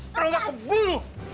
kalau enggak aku bunuh